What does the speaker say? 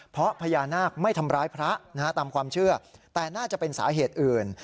เพราะพญานาคไม่ทำร้ายพระตามความเชื่อแต่น่าจะเป็นสาเหตุอื่น